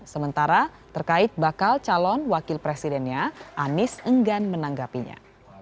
sementara terkait bakal calon wakil presidennya anies enggan menanggapinya